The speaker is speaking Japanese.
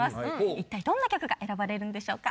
いったいどんな曲が選ばれるんでしょうか。